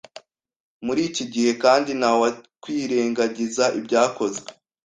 Muri iki gihe kandi ntawakwirengagiza ibyakozwe